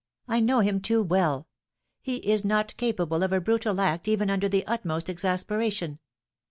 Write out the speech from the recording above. I know him too welL He is not capable of a brutal act even under the utmost exas peration.